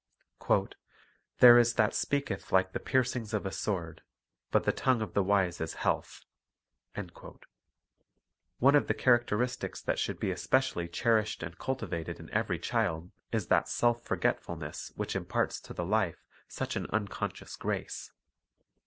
"There is that speaketh like the piercings of a sword; but the tongue of the wise is health." 1 One of the characteristics that should be especially cherished, and cultivated in every child is that self forgetfulness which imparts to the life such an uncon scious grace.